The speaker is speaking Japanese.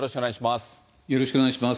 よろしくお願いします。